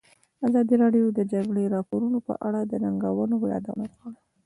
ازادي راډیو د د جګړې راپورونه په اړه د ننګونو یادونه کړې.